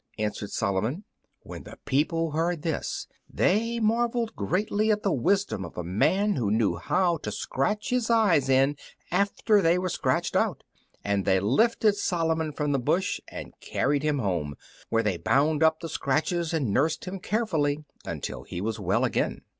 answered Solomon. When the people heard this they marvelled greatly at the wisdom of a man who knew how to scratch his eyes in after they were scratched out; and they lifted Solomon from the bush and carried him home, where they bound up the scratches and nursed him carefully until he was well again.